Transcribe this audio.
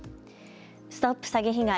ＳＴＯＰ詐欺被害！